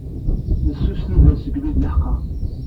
Messus tudert segmi d-leḥqeɣ.